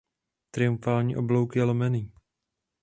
Triumfální oblouk je lomený.